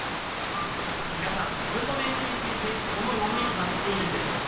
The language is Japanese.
皆さん、自分の年収について、どのように感じているんでしょうか。